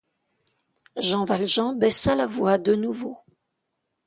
Jean Valjean baissa la voix de nouveau.